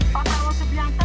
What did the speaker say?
pak prawo subianto